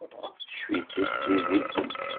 Teccef-itt-id tidi.